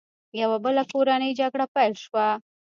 یوه بله کورنۍ جګړه پیل شوه.